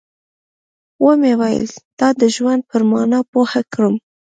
ومې ويل تا د ژوند پر مانا پوه کړم.